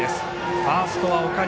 ファーストは岡西